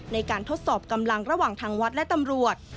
ในการทดสอบกำลังระหว่างทางวัดและตำรวจ